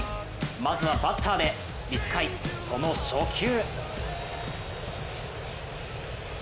まずはバッターで１回、その初球。